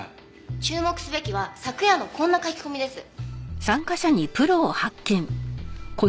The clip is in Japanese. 注目すべきは昨夜のこんな書き込みです。